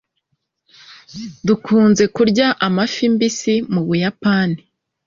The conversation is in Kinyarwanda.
dukunze kurya amafi mbisi mu buyapani